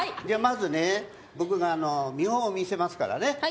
じゃまずね僕が見本を見せますからね。